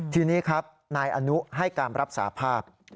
ทีนี้ครับนายอนุให้การรับสาภาพ